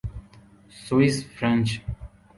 Swiss French